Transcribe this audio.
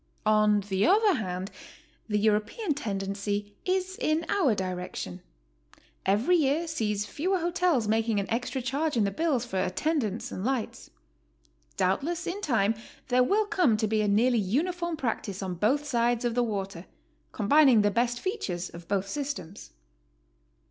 On the other hand, the European tendency is in our di rection. Every year sees fewer hotels making an extra charge in the bills for attendance and lights. Doubtless in time there will come to be a nearly uniform practice on both sides of the water, combining the best features of both systems.